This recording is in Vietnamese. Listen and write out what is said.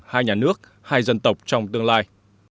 hai nhà nước hai dân tộc trong tương lai